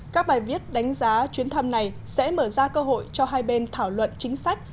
các bài viết đánh giá chuyến thăm này sẽ mở ra cơ hội cho hai bên thảo luận chính sách